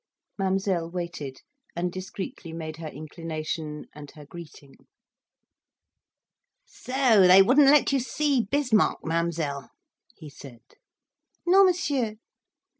Mademoiselle waited, and discreetly made her inclination, and her greeting. "So they wouldn't let you see Bismarck, Mademoiselle?" he said. "_Non, Monsieur.